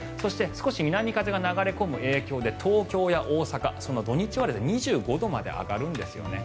少し南風が流れ込む影響で東京や大阪、土日は２５度まで上がるんですね。